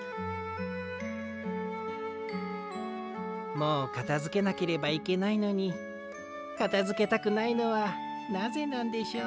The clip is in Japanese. もうかたづけなければいけないのにかたづけたくないのはなぜなんでしょう？